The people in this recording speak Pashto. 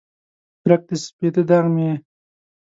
څرک د سپیده داغ مې یې